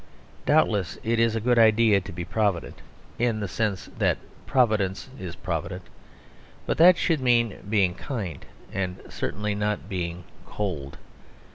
Doubtless it is a good idea to be provident, in the sense that Providence is provident, but that should mean being kind, and certainly not merely being cold.